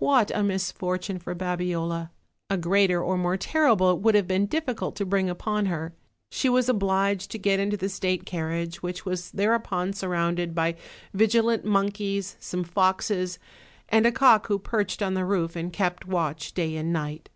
What a misfortune for Babiola! a greater, or more ter rible, it would have been difficult to bring upon her; she was obliged to get into the state carriage, which was thereupon surrounded by vigilant monkeys, some foxes, and a cock who perched on the roof and kept watch day and night.